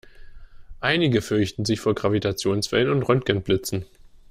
Einige fürchten sich vor Gravitationswellen und Röntgenblitzen.